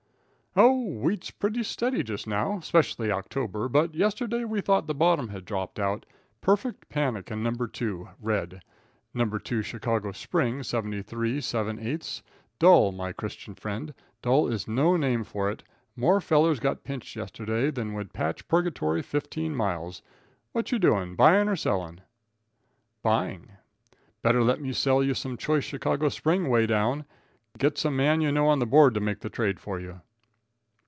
"Oh, wheat's pretty steady just now, 'specially October, but yesterday we thought the bottom had dropped out. Perfect panic in No. 2, red; No. 2, Chicago Spring, 73 7/8. Dull, my Christian friend, dull is no name for it. More fellers got pinched yesterday than would patch purgatory fifteen miles. What you doing, buying or selling?" "Buying." "Better let me sell you some choice Chicago Spring way down. Get some man you know on the Board to make the trade for you."